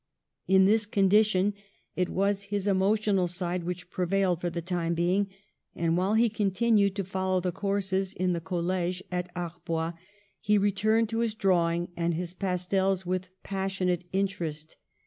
In this condition it was his emotional side which pre vailed for the time being. And, while he con tinued to follow the courses in the college at Arbois, he returned to his drawing and his pas tels with passionate interest.